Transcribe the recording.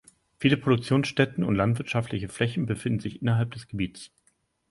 Viele Produktionsstätten und landwirtschaftliche Flächen befinden sich innerhalb des Gebiets.